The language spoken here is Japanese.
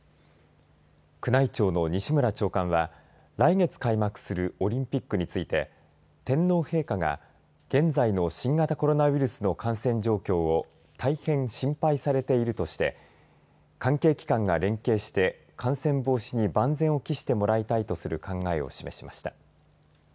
宮内庁の西村長官は来月開幕するオリンピックについて天皇陛下が現在の新型コロナウイルスの感染状況を大変、心配されているとして関係機関が連携して感染防止に万全を期してもらいたいとする考えを示しました。